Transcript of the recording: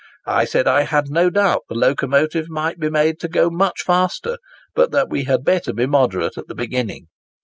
I said I had no doubt the locomotive might be made to go much faster, but that we had better be moderate at the beginning.